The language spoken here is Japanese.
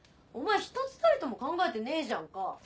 お前一つたりとも考えてねえじゃんか。